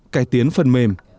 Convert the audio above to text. cải tiến phần mềm